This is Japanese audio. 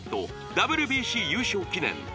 ＷＢＣ優勝記念